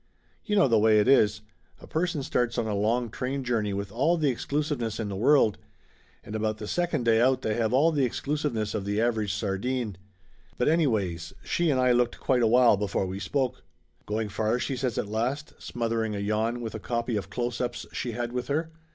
You know the way it is. A person starts on a long train journey with all the exclusiveness in the world, and about the second day out they have all the exclusiveness of the average sardine. But any ways, she and I looked quite a while before we spoke. "Going far?" she says at last, smothering a yawn with a copy of Closeups she had with her.